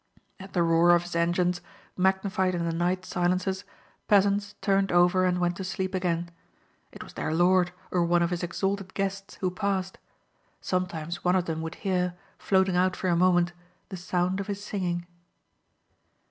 At the roar of his engines, magnified in the night silences, peasants turned over and went to sleep again. It was their lord or one of his exalted guests who passed. Sometimes one of them would hear, floating out for a moment, the sound of his singing.